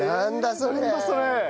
それ。